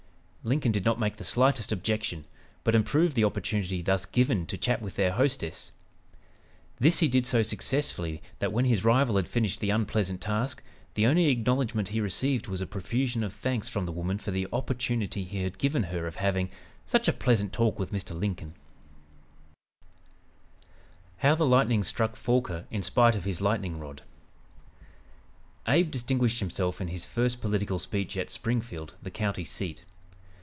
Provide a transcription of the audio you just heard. Lincoln did not make the slightest objection, but improved the opportunity thus given to chat with their hostess. This he did so successfully that when his rival had finished the unpleasant task, the only acknowledgment he received was a profusion of thanks from the woman for the opportunity he had given her of having "such a pleasant talk with Mr. Lincoln!" HOW THE LIGHTNING STRUCK FORQUER, IN SPITE OF HIS LIGHTNING ROD Abe distinguished himself in his first political speech at Springfield, the county seat.